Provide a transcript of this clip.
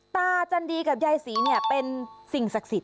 จันดีกับยายศรีเนี่ยเป็นสิ่งศักดิ์สิทธ